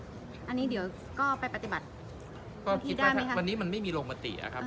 อันนี้เดี๋ยวก็ไปปฏิบัติก็คิดว่าวันนี้มันไม่มีลงมติอะครับ